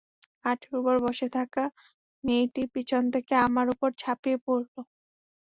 খাটের উপর বসেথাকা মেয়েটি পিছন থেকে আমার উপর, ঝাঁপিয়ে পড়ল।